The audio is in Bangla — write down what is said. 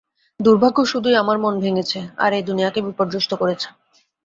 দুর্ভাগ্য শুধুই আমার মন ভেঙ্গেছে আর এই দুনিয়াকে বিপর্যস্ত করেছে।